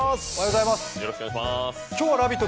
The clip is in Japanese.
今日は「ラヴィット！」